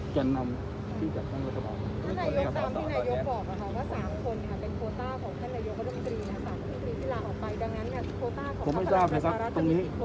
๓คนธรรมดรีทีลาออกไปดังนั้นเนี่ยโครต้าของท่านนายโยคธรรมดรีจะมีกี่คนธรรมดรี